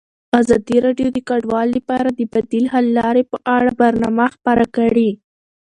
ازادي راډیو د کډوال لپاره د بدیل حل لارې په اړه برنامه خپاره کړې.